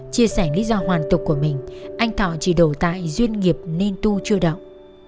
chia sẻ lý do hoàn tục của mình anh thọ chỉ đổ tại duyên nghiệp nên tu chưa động